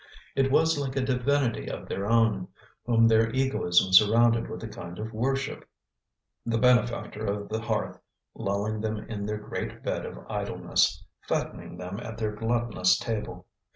It was like a divinity of their own, whom their egoism surrounded with a kind of worship, the benefactor of the hearth, lulling them in their great bed of idleness, fattening them at their gluttonous table.